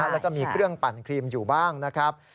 แล้วก็มีเครื่องปั่นครีมอยู่บ้างนะครับ